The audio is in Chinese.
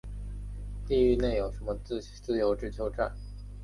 地域内有东急东横线与大井町线的交会站自由之丘站。